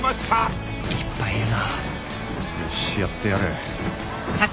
やってやる。